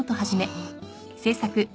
あっ。